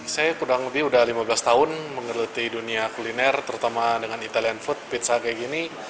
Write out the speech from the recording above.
saya kurang lebih udah lima belas tahun menggeluti dunia kuliner terutama dengan italian food pizza kayak gini